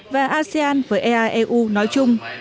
và asean với eaeu nói chung